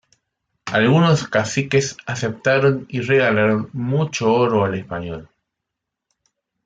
Algunos caciques aceptaron y regalaron mucho oro al español.